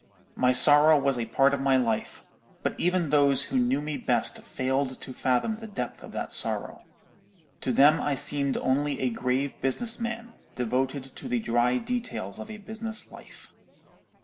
My sorrow was a part of my life: but even those who knew me best failed to fathom the depth of that sorrow. To them I seemed only a grave business man, devoted to the dry details of a business life.